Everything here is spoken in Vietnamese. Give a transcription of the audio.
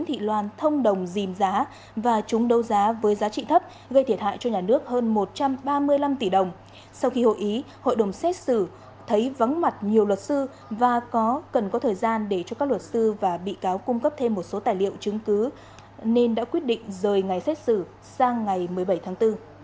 sau khi hội ý hội đồng xét xử thấy vắng mặt nhiều luật sư và cần có thời gian để cho các luật sư và bị cáo cung cấp thêm một số tài liệu chứng cứ nên đã quyết định rời ngày xét xử sang ngày một mươi bảy tháng bốn